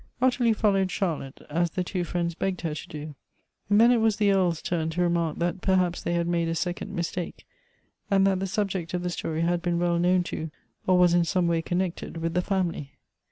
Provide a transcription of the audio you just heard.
Ottilie followed Charlotte, as the two friends begged her to do ; and then it was the Earl's turn to remark that perhaps they had made a second mistake, and that the subject of the story had been well known to or was in some way connected with the family.